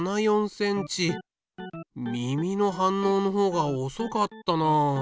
耳の反応のほうがおそかったな。